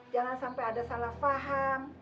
jangan sampai ada salah faham